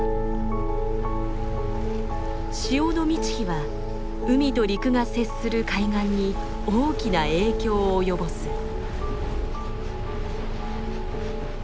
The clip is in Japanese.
潮の満ち干は海と陸が接する海岸に大きな影響を及ぼす。